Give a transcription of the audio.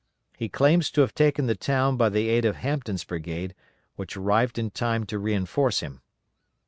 He claims to have taken the town by the aid of Hampton's brigade, which arrived in time to reinforce him.